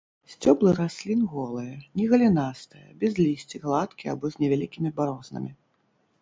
Сцёблы раслін голыя, не галінастыя, без лісця, гладкія або з невялікімі барознамі.